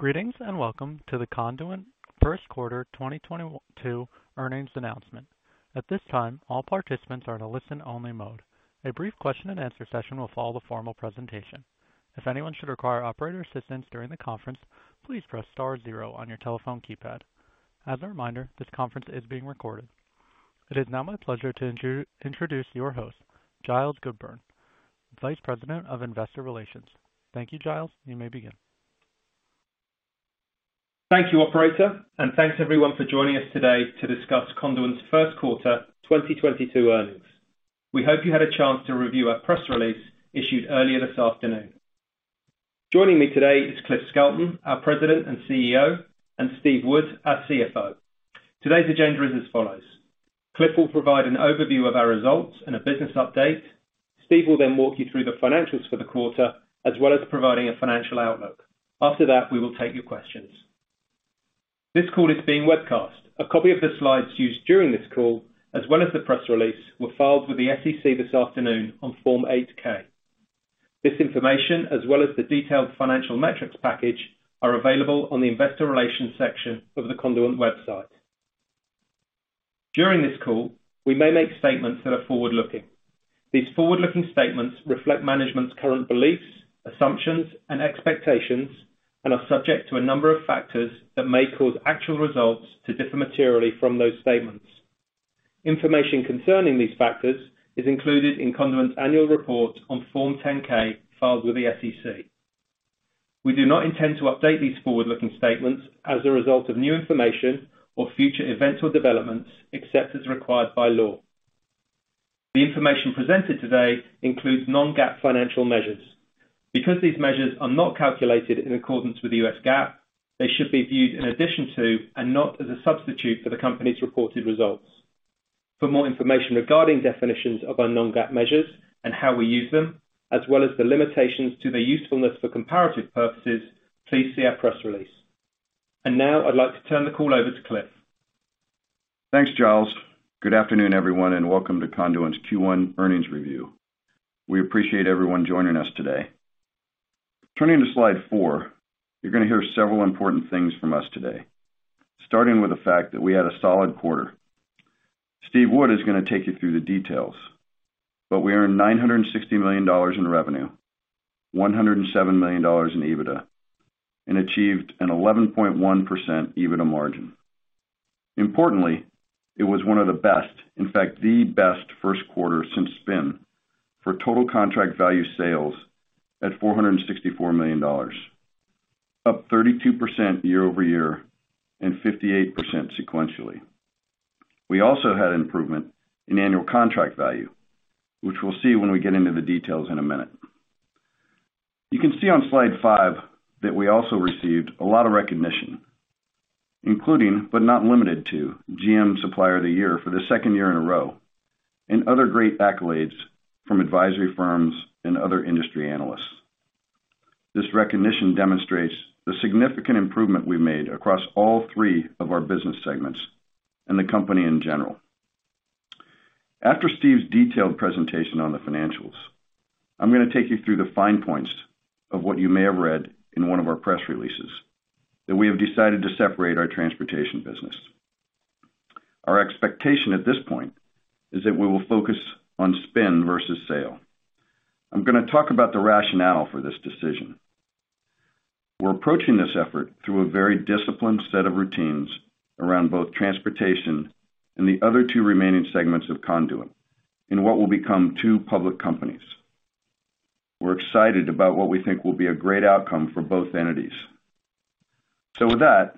Greetings, and welcome to the Conduent first quarter 2022 earnings announcement. At this time, all participants are in a listen-only mode. A brief question and answer session will follow the formal presentation. If anyone should require operator assistance during the conference, please press star zero on your telephone keypad. As a reminder, this conference is being recorded. It is now my pleasure to introduce your host, Giles Goodburn, Vice President of Investor Relations. Thank you, Giles. You may begin. Thank you, operator, and thanks everyone for joining us today to discuss Conduent's first quarter 2022 earnings. We hope you had a chance to review our press release issued earlier this afternoon. Joining me today is Cliff Skelton, our President and CEO, and Steve Wood, our CFO. Today's agenda is as follows. Cliff will provide an overview of our results and a business update. Steve will then walk you through the financials for the quarter, as well as providing a financial outlook. After that, we will take your questions. This call is being webcast. A copy of the slides used during this call, as well as the press release, were filed with the SEC this afternoon on Form 8-K. This information, as well as the detailed financial metrics package, are available on the investor relations section of the Conduent website. During this call, we may make statements that are forward-looking. These forward-looking statements reflect management's current beliefs, assumptions, and expectations and are subject to a number of factors that may cause actual results to differ materially from those statements. Information concerning these factors is included in Conduent's annual report on Form 10-K filed with the SEC. We do not intend to update these forward-looking statements as a result of new information or future events or developments, except as required by law. The information presented today includes non-GAAP financial measures. Because these measures are not calculated in accordance with the U.S. GAAP, they should be viewed in addition to and not as a substitute for the company's reported results. For more information regarding definitions of our non-GAAP measures and how we use them, as well as the limitations to their usefulness for comparative purposes, please see our press release. Now I'd like to turn the call over to Cliff. Thanks, Giles. Good afternoon, everyone, and welcome to Conduent's Q1 earnings review. We appreciate everyone joining us today. Turning to slide four, you're gonna hear several important things from us today, starting with the fact that we had a solid quarter. Steve Wood is gonna take you through the details, but we earned $960 million in revenue, $107 million in EBITDA, and achieved an 11.1% EBITDA margin. Importantly, it was one of the best, in fact the best first quarter since spin for total contract value sales at $464 million, up 32% year-over-year and 58% sequentially. We also had an improvement in annual contract value, which we'll see when we get into the details in a minute. You can see on slide five that we also received a lot of recognition, including, but not limited to GM Supplier of the Year for the second year in a row, and other great accolades from advisory firms and other industry analysts. This recognition demonstrates the significant improvement we made across all three of our business segments and the company in general. After Steve's detailed presentation on the financials, I'm gonna take you through the fine points of what you may have read in one of our press releases, that we have decided to separate our transportation business. Our expectation at this point is that we will focus on spin versus sale. I'm gonna talk about the rationale for this decision. We're approaching this effort through a very disciplined set of routines around both transportation and the other two remaining segments of Conduent in what will become two public companies. We're excited about what we think will be a great outcome for both entities. With that,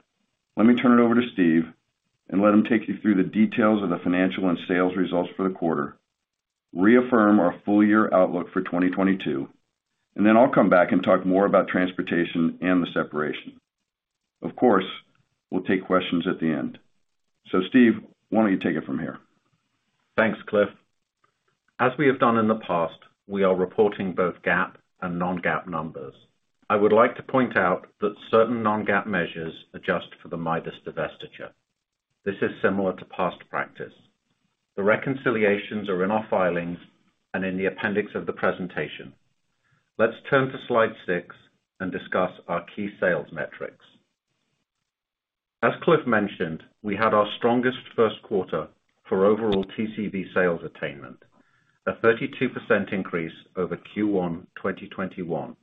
let me turn it over to Steve and let him take you through the details of the financial and sales results for the quarter, reaffirm our full year outlook for 2022, and then I'll come back and talk more about transportation and the separation. Of course, we'll take questions at the end. Steve, why don't you take it from here? Thanks, Cliff. As we have done in the past, we are reporting both GAAP and non-GAAP numbers. I would like to point out that certain non-GAAP measures adjust for the Midas divestiture. This is similar to past practice. The reconciliations are in our filings and in the appendix of the presentation. Let's turn to slide six and discuss our key sales metrics. As Cliff mentioned, we had our strongest first quarter for overall TCV sales attainment, a 32% increase over Q1 2021.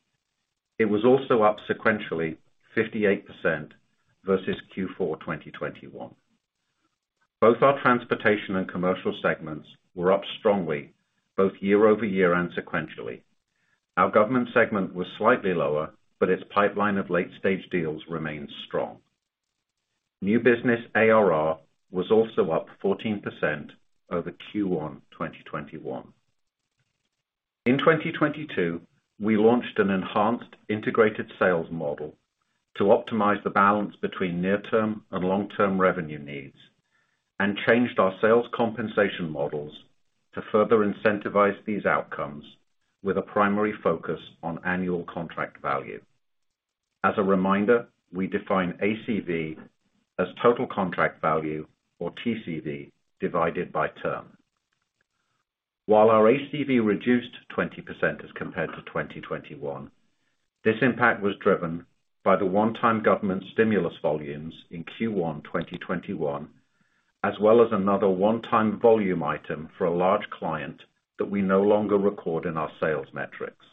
It was also up sequentially 58% versus Q4 2021. Both our transportation and commercial segments were up strongly, both year-over-year and sequentially. Our government segment was slightly lower, but its pipeline of late-stage deals remains strong. New business ARR was also up 14% over Q1 2021. In 2022, we launched an enhanced integrated sales model to optimize the balance between near-term and long-term revenue needs and changed our sales compensation models to further incentivize these outcomes with a primary focus on annual contract value. As a reminder, we define ACV as total contract value, or TCV, divided by term While our ACV reduced 20% as compared to 2021, this impact was driven by the one-time government stimulus volumes in Q1 2021, as well as another one-time volume item for a large client that we no longer record in our sales metrics.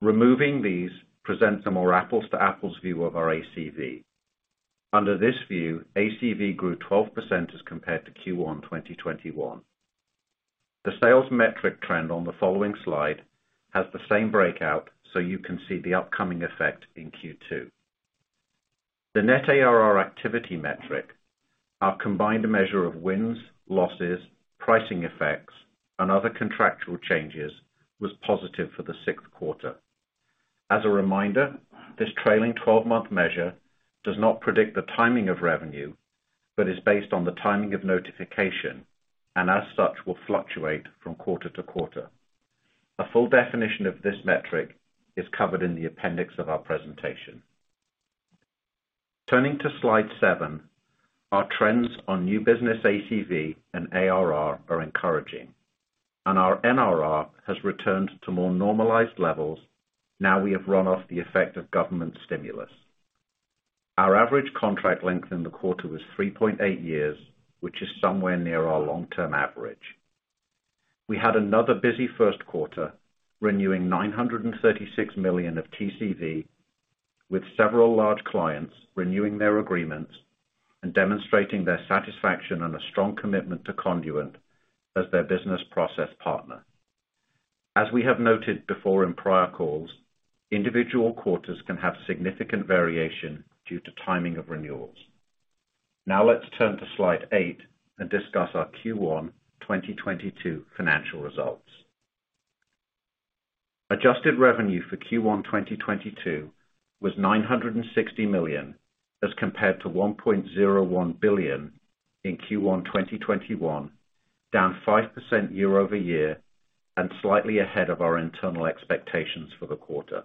Removing these presents a more apples to apples view of our ACV. Under this view, ACV grew 12% as compared to Q1 2021. The sales metric trend on the following slide has the same breakout, so you can see the upcoming effect in Q2. The net ARR activity metric, our combined measure of wins, losses, pricing effects, and other contractual changes, was positive for the sixth quarter. As a reminder, this trailing 12-month measure does not predict the timing of revenue, but is based on the timing of notification, and as such, will fluctuate from quarter to quarter. A full definition of this metric is covered in the appendix of our presentation. Turning to slide 7, our trends on new business ACV and ARR are encouraging, and our NRR has returned to more normalized levels, now we have run off the effect of government stimulus. Our average contract length in the quarter was 3.8 years, which is somewhere near our long-term average. We had another busy first quarter, renewing $936 million of TCV, with several large clients renewing their agreements and demonstrating their satisfaction and a strong commitment to Conduent as their business process partner. As we have noted before in prior calls, individual quarters can have significant variation due to timing of renewals. Now let's turn to slide 8 and discuss our Q1 2022 financial results. Adjusted revenue for Q1 2022 was $960 million, as compared to $1.01 billion in Q1 2021, down 5% year-over-year, and slightly ahead of our internal expectations for the quarter.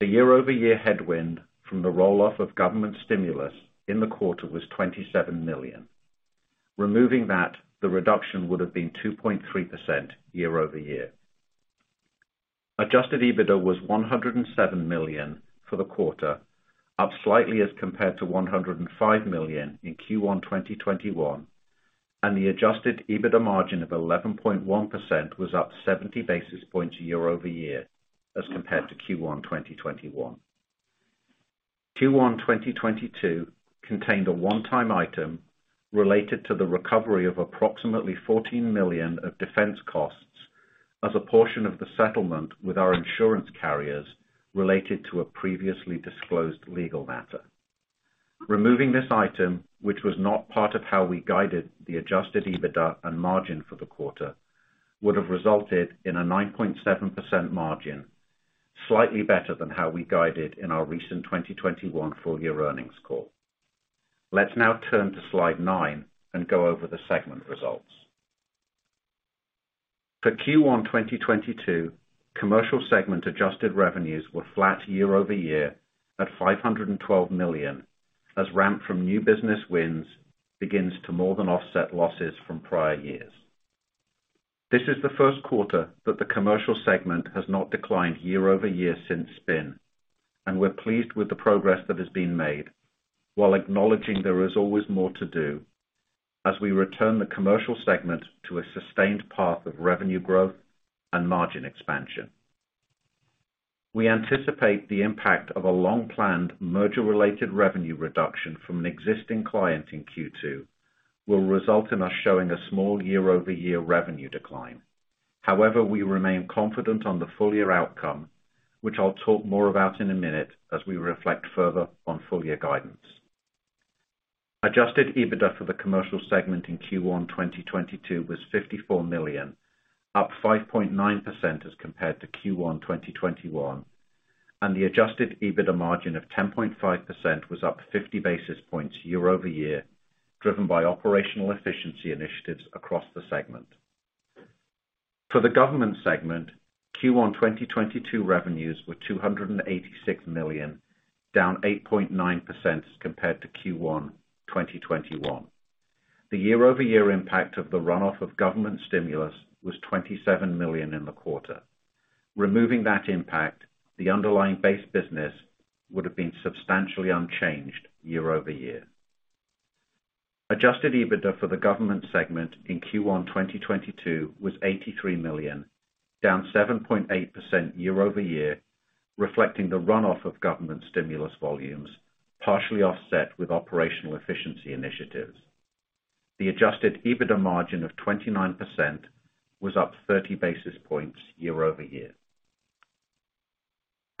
The year-over-year headwind from the roll off of government stimulus in the quarter was $27 million. Removing that, the reduction would have been 2.3% year-over-year. Adjusted EBITDA was $107 million for the quarter, up slightly as compared to $105 million in Q1 2021, and the adjusted EBITDA margin of 11.1% was up 70 basis points year-over-year as compared to Q1 2021. Q1 2022 contained a one-time item related to the recovery of approximately $14 million of defense costs as a portion of the settlement with our insurance carriers related to a previously disclosed legal matter. Removing this item, which was not part of how we guided the adjusted EBITDA and margin for the quarter, would have resulted in a 9.7% margin, slightly better than how we guided in our recent 2021 full year earnings call. Let's now turn to slide 9 and go over the segment results. For Q1 2022, commercial segment adjusted revenues were flat year over year at $512 million, as ramp from new business wins begins to more than offset losses from prior years. This is the first quarter that the commercial segment has not declined year-over-year since spin, and we're pleased with the progress that has been made while acknowledging there is always more to do as we return the commercial segment to a sustained path of revenue growth and margin expansion. We anticipate the impact of a long-planned merger-related revenue reduction from an existing client in Q2 will result in us showing a small year-over-year revenue decline. However, we remain confident on the full year outcome, which I'll talk more about in a minute as we reflect further on full year guidance. Adjusted EBITDA for the commercial segment in Q1 2022 was $54 million, up 5.9% as compared to Q1 2021, and the adjusted EBITDA margin of 10.5% was up 50 basis points year-over-year, driven by operational efficiency initiatives across the segment. For the government segment, Q1 2022 revenues were $286 million, down 8.9% compared to Q1 2021. The year-over-year impact of the run off of government stimulus was $27 million in the quarter. Removing that impact, the underlying base business would have been substantially unchanged year-over-year. Adjusted EBITDA for the government segment in Q1 2022 was $83 million, down 7.8% year-over-year, reflecting the run off of government stimulus volumes, partially offset with operational efficiency initiatives. The adjusted EBITDA margin of 29% was up 30 basis points year-over-year.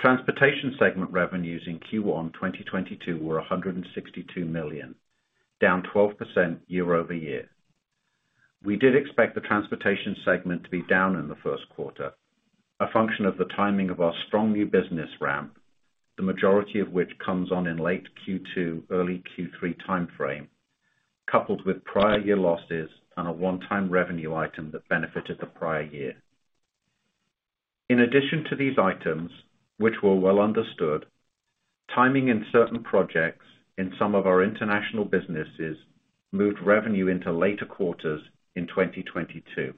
Transportation segment revenues in Q1 2022 were $162 million, down 12% year-over-year. We did expect the transportation segment to be down in the first quarter, a function of the timing of our strong new business ramp, the majority of which comes on in late Q2, early Q3 time frame, coupled with prior year losses and a one-time revenue item that benefited the prior year. In addition to these items, which were well understood, timing in certain projects in some of our international businesses moved revenue into later quarters in 2022.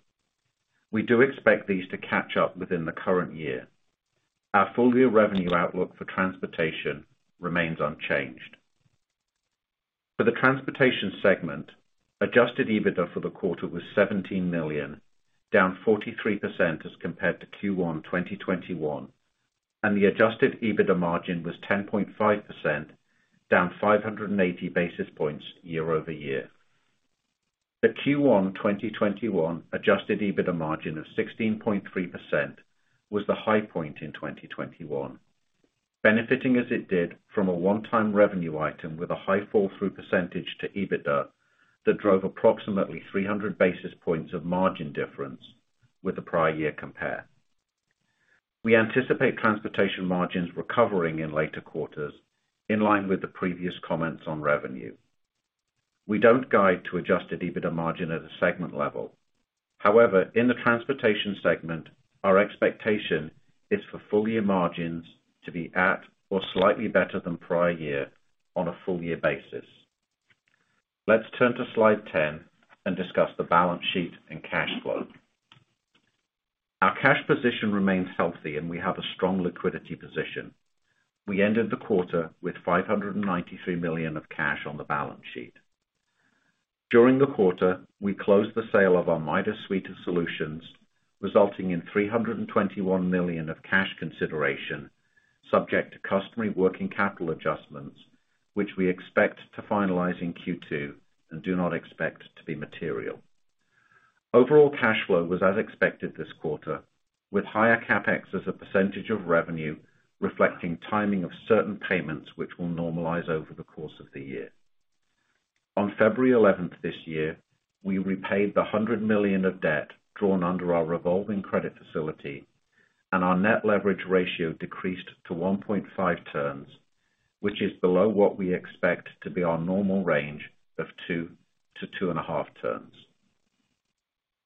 We do expect these to catch up within the current year. Our full-year revenue outlook for transportation remains unchanged. For the transportation segment, adjusted EBITDA for the quarter was $17 million, down 43% as compared to Q1 2021, and the adjusted EBITDA margin was 10.5%, down 580 basis points year-over-year. The Q1 2021 adjusted EBITDA margin of 16.3% was the high point in 2021, benefiting as it did from a one-time revenue item with a high fall-through percentage to EBITDA that drove approximately 300 basis points of margin difference with the prior year compare. We anticipate transportation margins recovering in later quarters in line with the previous comments on revenue. We don't guide to adjusted EBITDA margin at a segment level. However, in the transportation segment, our expectation is for full year margins to be at or slightly better than prior year on a full year basis. Let's turn to slide 10 and discuss the balance sheet and cash flow. Our cash position remains healthy, and we have a strong liquidity position. We ended the quarter with $593 million of cash on the balance sheet. During the quarter, we closed the sale of our Midas suite of solutions, resulting in $321 million of cash consideration subject to customary working capital adjustments, which we expect to finalize in Q2 and do not expect to be material. Overall cash flow was as expected this quarter, with higher CapEx as a percentage of revenue reflecting timing of certain payments which will normalize over the course of the year. On February 11th this year, we repaid $100 million of debt drawn under our revolving credit facility, and our net leverage ratio decreased to 1.5 times, which is below what we expect to be our normal range of 2-2.5 times.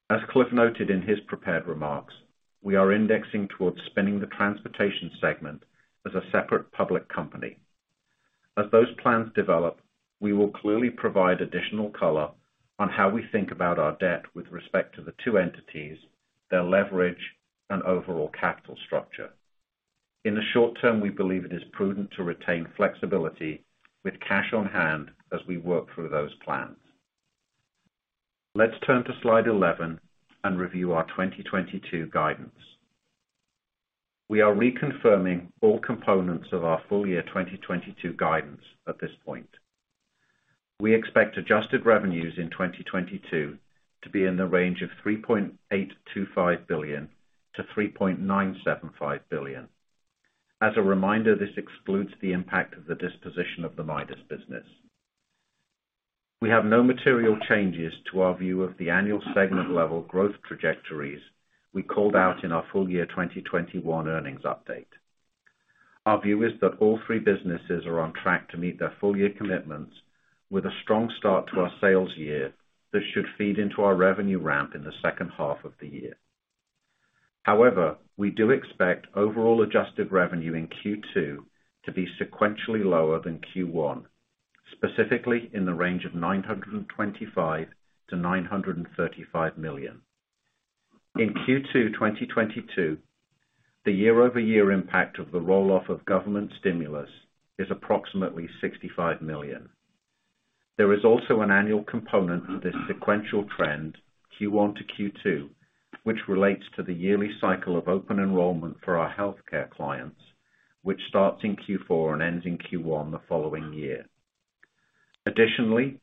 As Cliff noted in his prepared remarks, we are inching towards spinning the transportation segment as a separate public company. As those plans develop, we will clearly provide additional color on how we think about our debt with respect to the two entities, their leverage, and overall capital structure. In the short term, we believe it is prudent to retain flexibility with cash on hand as we work through those plans. Let's turn to slide 11 and review our 2022 guidance. We are reconfirming all components of our full-year 2022 guidance at this point. We expect adjusted revenues in 2022 to be in the range of $3.825 billion-$3.975 billion. As a reminder, this excludes the impact of the disposition of the Midas business. We have no material changes to our view of the annual segment level growth trajectories we called out in our full-year 2021 earnings update. Our view is that all three businesses are on track to meet their full-year commitments with a strong start to our sales year that should feed into our revenue ramp in the second half of the year. However, we do expect overall adjusted revenue in Q2 to be sequentially lower than Q1, specifically in the range of $925 million-$935 million. In Q2 2022, the year-over-year impact of the roll-off of government stimulus is approximately $65 million. There is also an annual component to this sequential trend, Q1 to Q2, which relates to the yearly cycle of open enrollment for our healthcare clients, which starts in Q4 and ends in Q1 the following year. Additionally,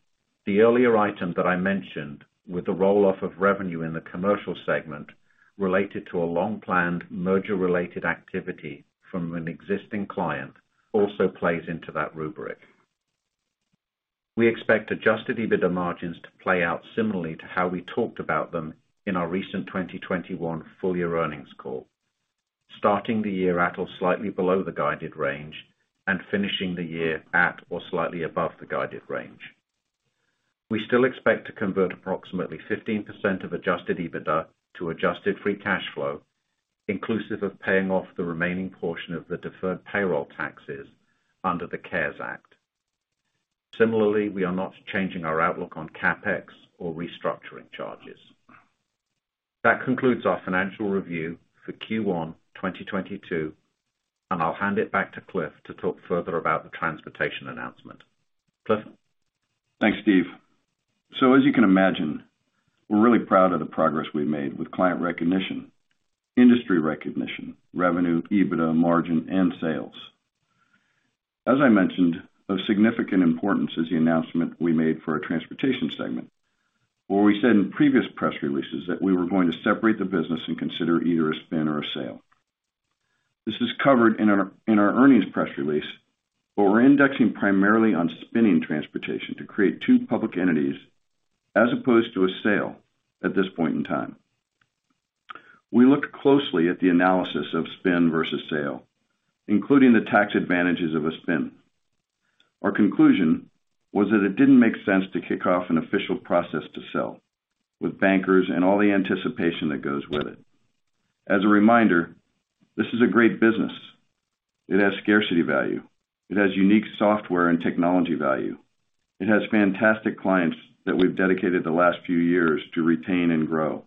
the earlier item that I mentioned with the roll-off of revenue in the commercial segment related to a long-planned merger-related activity from an existing client also plays into that rubric. We expect adjusted EBITDA margins to play out similarly to how we talked about them in our recent 2021 full year earnings call, starting the year at or slightly below the guided range and finishing the year at or slightly above the guided range. We still expect to convert approximately 15% of adjusted EBITDA to adjusted free cash flow, inclusive of paying off the remaining portion of the deferred payroll taxes under the CARES Act. Similarly, we are not changing our outlook on CapEx or restructuring charges. That concludes our financial review for Q1 2022, and I'll hand it back to Cliff to talk further about the transportation announcement. Cliff? Thanks, Steve. As you can imagine, we're really proud of the progress we've made with client recognition, industry recognition, revenue, EBITDA, margin, and sales. As I mentioned, of significant importance is the announcement we made for our transportation segment, where we said in previous press releases that we were going to separate the business and consider either a spin or a sale. This is covered in our earnings press release, but we're indexing primarily on spinning transportation to create two public entities as opposed to a sale at this point in time. We looked closely at the analysis of spin versus sale, including the tax advantages of a spin. Our conclusion was that it didn't make sense to kick off an official process to sell with bankers and all the anticipation that goes with it. As a reminder, this is a great business. It has scarcity value. It has unique software and technology value. It has fantastic clients that we've dedicated the last few years to retain and grow.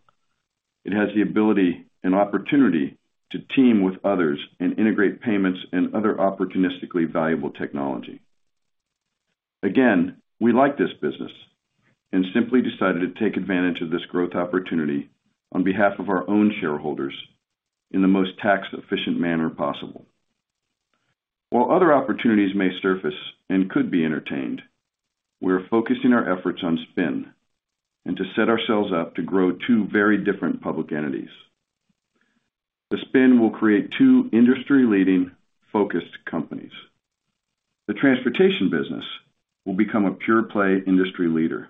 It has the ability and opportunity to team with others and integrate payments and other opportunistically valuable technology. Again, we like this business and simply decided to take advantage of this growth opportunity on behalf of our own shareholders in the most tax-efficient manner possible. While other opportunities may surface and could be entertained, we are focusing our efforts on spin and to set ourselves up to grow two very different public entities. The spin will create two industry-leading focused companies. The transportation business will become a pure play industry leader,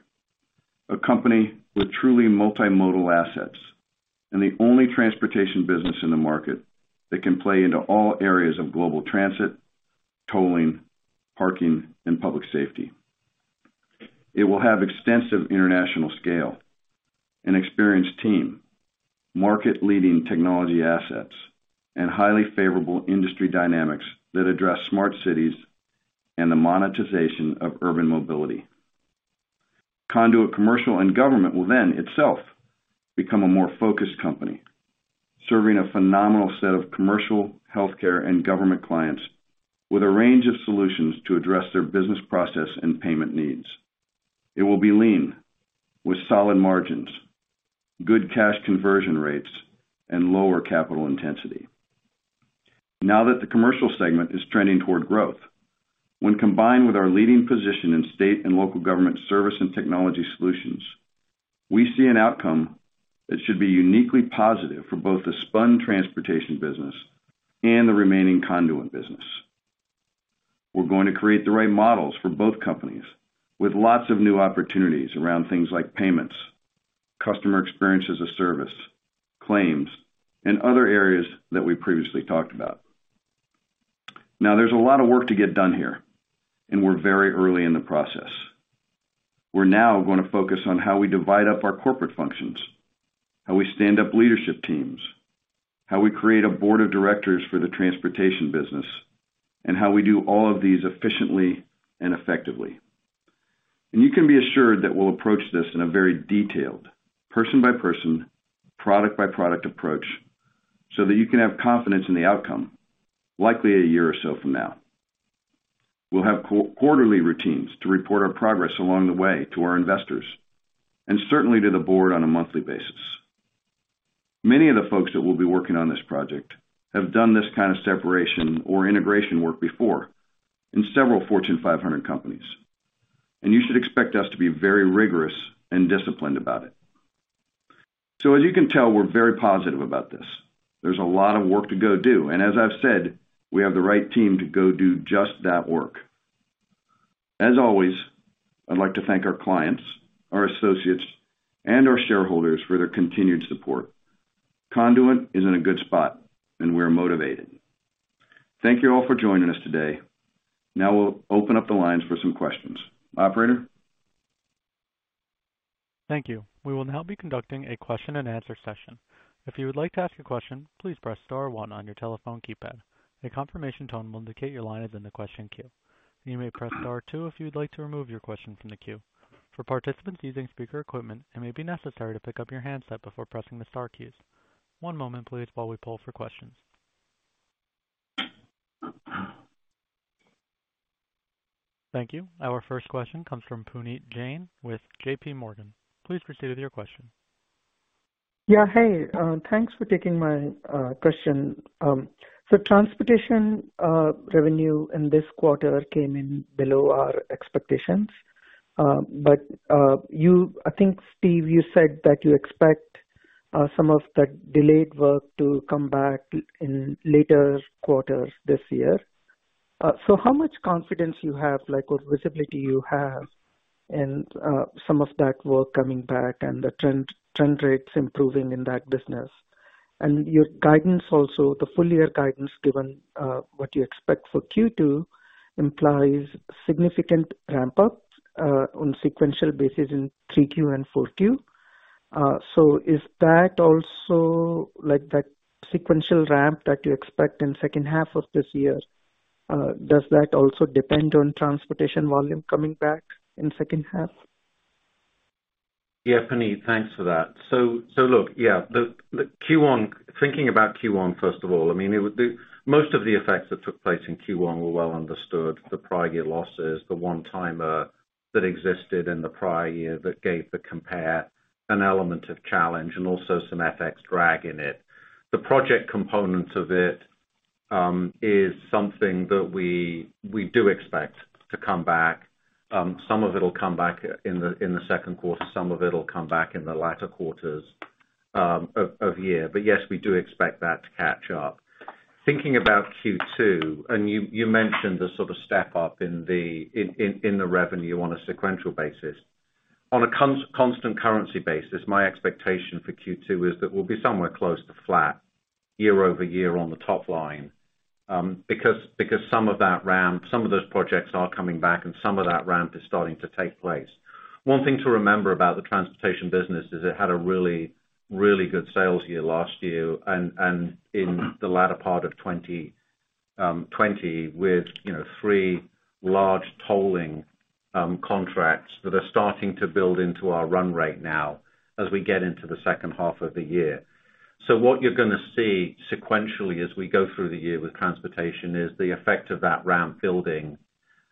a company with truly multimodal assets and the only transportation business in the market that can play into all areas of global transit, tolling, parking, and public safety. It will have extensive international scale, an experienced team, market-leading technology assets, and highly favorable industry dynamics that address smart cities and the monetization of urban mobility. Conduent commercial and government will then itself become a more focused company, serving a phenomenal set of commercial healthcare and government clients with a range of solutions to address their business process and payment needs. It will be lean with solid margins, good cash conversion rates, and lower capital intensity. Now that the commercial segment is trending toward growth, when combined with our leading position in state and local government service and technology solutions, we see an outcome that should be uniquely positive for both the spun transportation business and the remaining Conduent business. We're going to create the right models for both companies with lots of new opportunities around things like payments, Customer Experience as a Service, claims, and other areas that we previously talked about. Now, there's a lot of work to get done here, and we're very early in the process. We're now gonna focus on how we divide up our corporate functions, how we stand up leadership teams, how we create a board of directors for the transportation business, and how we do all of these efficiently and effectively. You can be assured that we'll approach this in a very detailed person by person, product by product approach so that you can have confidence in the outcome likely a year or so from now. We'll have quarterly routines to report our progress along the way to our investors and certainly to the board on a monthly basis. Many of the folks that will be working on this project have done this kind of separation or integration work before in several Fortune 500 companies, and you should expect us to be very rigorous and disciplined about it. As you can tell, we're very positive about this. There's a lot of work to go do, and as I've said, we have the right team to go do just that work. As always, I'd like to thank our clients, our associates, and our shareholders for their continued support. Conduent is in a good spot and we're motivated. Thank you all for joining us today. Now we'll open up the lines for some questions. Operator? Thank you. We will now be conducting a question and answer session. If you would like to ask a question, please press star one on your telephone keypad. A confirmation tone will indicate your line is in the question queue. You may press star two if you would like to remove your question from the queue. For participants using speaker equipment, it may be necessary to pick up your handset before pressing the star keys. One moment please while we pull for questions. Thank you. Our first question comes from Puneet Jain with JP Morgan. Please proceed with your question. Yeah, hey, thanks for taking my question. Transportation revenue in this quarter came in below our expectations. I think, Steve, you said that you expect some of that delayed work to come back in later quarters this year. How much confidence you have, like what visibility you have in some of that work coming back and the trend rates improving in that business? Your guidance also, the full year guidance given, what you expect for Q2 implies significant ramp up on sequential basis in Q3 and Q4. Is that also like that sequential ramp that you expect in second half of this year? Does that also depend on transportation volume coming back in second half? Yeah, Punit, thanks for that. So, thinking about Q1, first of all, I mean, it would be most of the effects that took place in Q1 were well understood. The prior year losses, the one-time that existed in the prior year that gave the comp an element of challenge and also some FX drag in it. The project components of it is something that we do expect to come back. Some of it'll come back in the second quarter, some of it'll come back in the latter quarters of year. Yes, we do expect that to catch up. Thinking about Q2, you mentioned the sort of step up in the revenue on a sequential basis. On a constant currency basis, my expectation for Q2 is that we'll be somewhere close to flat year-over-year on the top line, because some of that ramp, some of those projects are coming back and some of that ramp is starting to take place. One thing to remember about the transportation business is it had a really good sales year last year and in the latter part of 2020 with, you know, three large tolling contracts that are starting to build into our run rate now as we get into the second half of the year. What you're gonna see sequentially as we go through the year with transportation is the effect of that ramp building,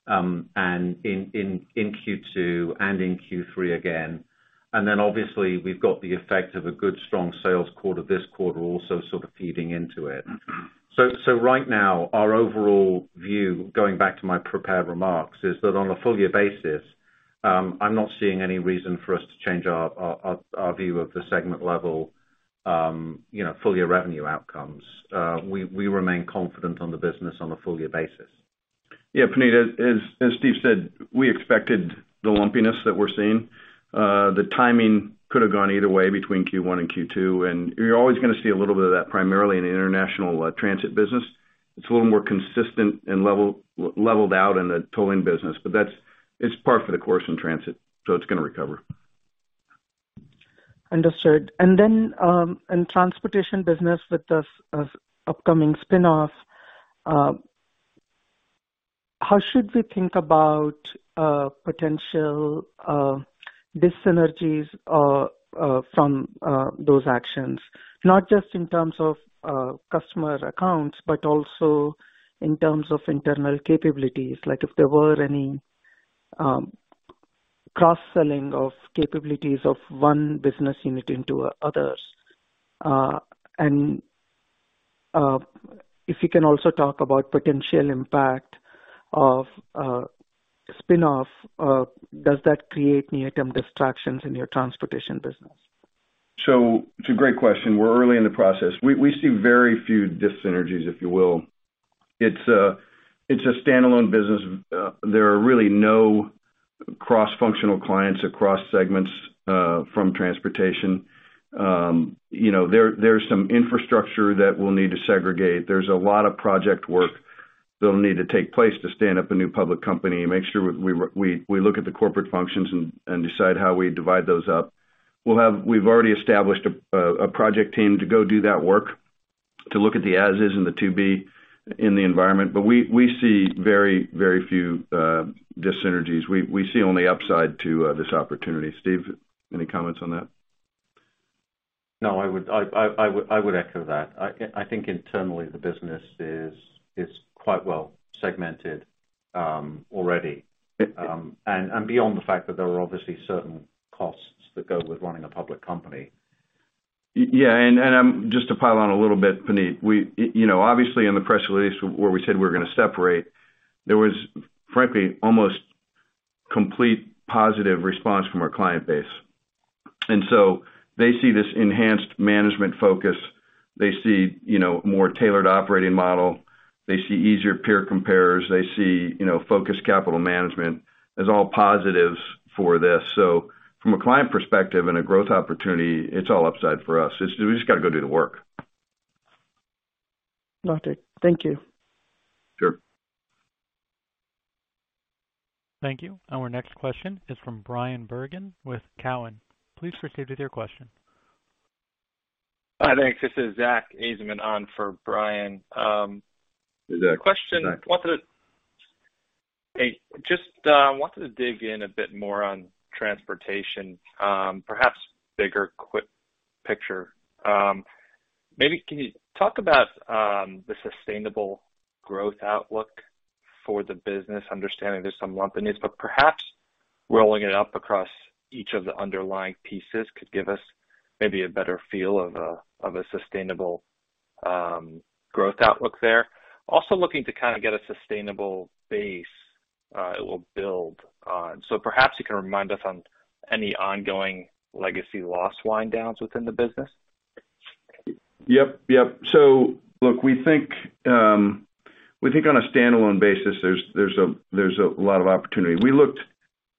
and in Q2 and in Q3 again. Obviously we've got the effect of a good strong sales quarter this quarter also sort of feeding into it. So right now, our overall view, going back to my prepared remarks, is that on a full year basis, I'm not seeing any reason for us to change our view of the segment level, you know, full year revenue outcomes. We remain confident on the business on a full year basis. Yeah, Punit, as Steve said, we expected the lumpiness that we're seeing. The timing could have gone either way between Q1 and Q2, and you're always gonna see a little bit of that primarily in the international transit business. It's a little more consistent and leveled out in the tolling business, but that's par for the course in transit, so it's gonna recover. Understood. In transportation business with this upcoming spin-off, how should we think about potential dyssynergies from those actions, not just in terms of customer accounts, but also in terms of internal capabilities? Like if there were any cross-selling of capabilities of one business unit into others. If you can also talk about potential impact of a spin-off, does that create near-term distractions in your transportation business? It's a great question. We're early in the process. We see very few dyssynergies, if you will. It's a standalone business. There are really no cross-functional clients across segments from transportation. You know, there's some infrastructure that we'll need to segregate. There's a lot of project work that'll need to take place to stand up a new public company and make sure we look at the corporate functions and decide how we divide those up. We've already established a project team to go do that work, to look at the as is and the to be in the environment. We see very few dyssynergies. We see only upside to this opportunity. Steve, any comments on that? No, I would echo that. I think internally the business is quite well segmented already. Beyond the fact that there are obviously certain costs that go with running a public company. Yeah. Just to pile on a little bit, Puneet. You know, obviously in the press release where we said we're gonna separate, there was, frankly, almost complete positive response from our client base. They see this enhanced management focus. They see, you know, more tailored operating model. They see easier peer compares. They see, you know, focused capital management as all positives for this. From a client perspective and a growth opportunity, it's all upside for us. It's. We just got to go do the work. Got it. Thank you. Sure. Thank you. Our next question is from Brian Bergen with Cowen. Please proceed with your question. Thanks. This is Zach Ajami on for Brian. Is that Zach? Hey, just wanted to dig in a bit more on transportation, perhaps big picture. Maybe you can talk about the sustainable growth outlook for the business. Understanding there's some lumpiness, but perhaps rolling it up across each of the underlying pieces could give us maybe a better feel of a sustainable growth outlook there. Also looking to kind of get a sustainable base it will build on. Perhaps you can remind us on any ongoing legacy loss wind-downs within the business. Yep. Look, we think on a standalone basis, there's a lot of opportunity. We looked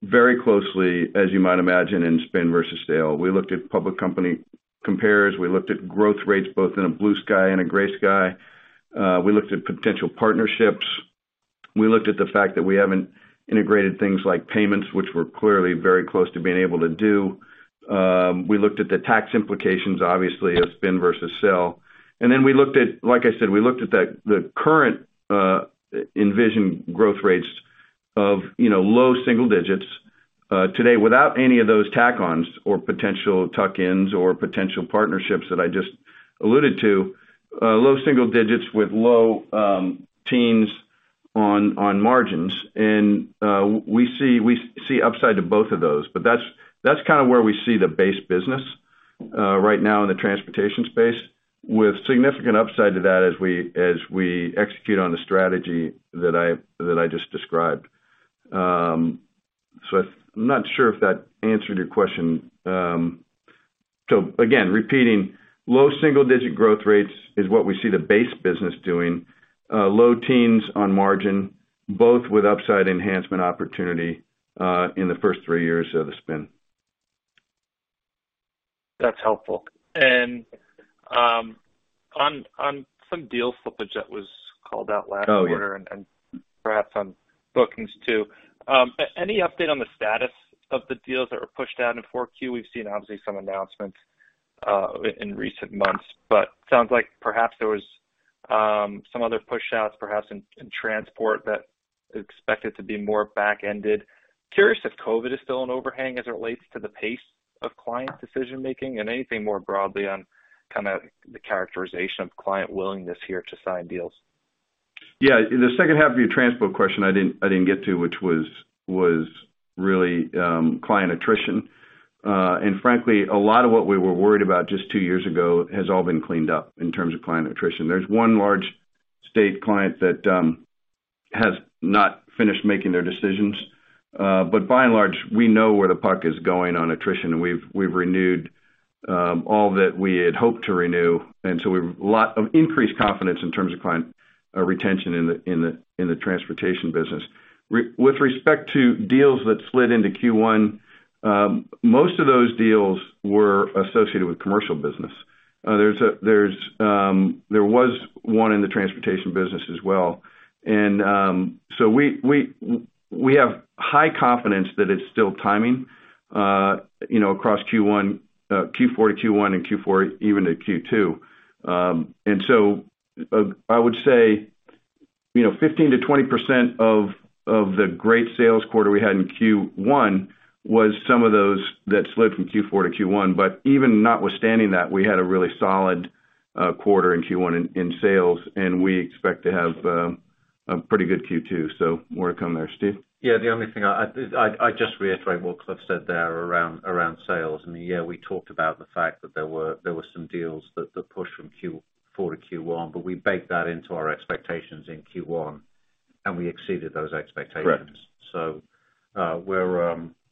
very closely, as you might imagine, in spin versus sale. We looked at public company compares. We looked at growth rates both in a blue sky and a gray sky. We looked at potential partnerships. We looked at the fact that we haven't integrated things like payments, which we're clearly very close to being able to do. We looked at the tax implications obviously of spin versus sell. Then we looked at, like I said, the current envisioned growth rates of, you know, low single digits today without any of those add-ons or potential tuck-ins or potential partnerships that I just alluded to, low single digits with low teens on margins. We see upside to both of those. That's kind of where we see the base business right now in the transportation space with significant upside to that as we execute on the strategy that I just described. I'm not sure if that answered your question. Again, repeating low single digit growth rates is what we see the base business doing, low teens on margin, both with upside enhancement opportunity, in the first three years of the spin. That's helpful. On some deal slippage that was called out last quarter. Oh, yeah. Perhaps on bookings too. Any update on the status of the deals that were pushed out in 4Q? We've seen obviously some announcements in recent months. Sounds like perhaps there was some other push outs perhaps in transport that expected to be more back-ended. Curious if COVID is still an overhang as it relates to the pace of client decision-making and anything more broadly on kinda the characterization of client willingness here to sign deals? Yeah. The second half of your transport question I didn't get to, which was really client attrition. Frankly, a lot of what we were worried about just two years ago has all been cleaned up in terms of client attrition. There's one large state client that has not finished making their decisions. By and large, we know where the puck is going on attrition, and we've renewed all that we had hoped to renew. We have a lot of increased confidence in terms of client retention in the transportation business. With respect to deals that slid into Q1, most of those deals were associated with commercial business. There was one in the transportation business as well. We have high confidence that it's still timing, you know, across Q1, Q4 to Q1 and Q4 even to Q2. I would say, you know, 15%-20% of the great sales quarter we had in Q1 was some of those that slid from Q4 to Q1. Even notwithstanding that, we had a really solid quarter in Q1 in sales, and we expect to have a pretty good Q2. More to come there. Steve? Yeah. The only thing I just reiterate what Cliff said there around sales. In the year, we talked about the fact that there were some deals that pushed from Q4 to Q1, but we baked that into our expectations in Q1, and we exceeded those expectations. Correct.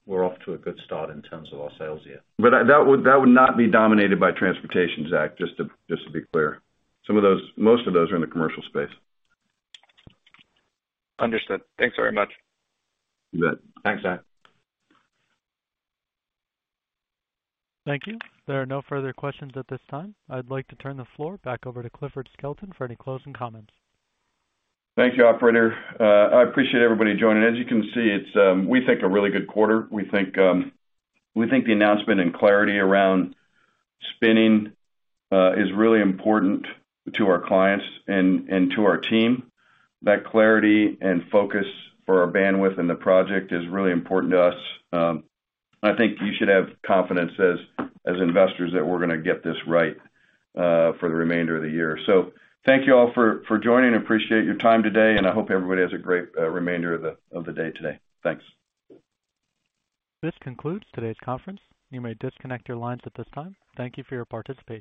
We're off to a good start in terms of our sales year. That would not be dominated by transportation, Zach, just to be clear. Some of those, most of those are in the commercial space. Understood. Thanks very much. You bet. Thanks, Zach. Thank you. There are no further questions at this time. I'd like to turn the floor back over to Cliff Skelton for any closing comments. Thank you, operator. I appreciate everybody joining. As you can see, we think a really good quarter. We think the announcement and clarity around spinning is really important to our clients and to our team. That clarity and focus for our bandwidth and the project is really important to us. I think you should have confidence as investors that we're gonna get this right for the remainder of the year. Thank you all for joining. Appreciate your time today, and I hope everybody has a great remainder of the day today. Thanks. This concludes today's conference. You may disconnect your lines at this time. Thank you for your participation.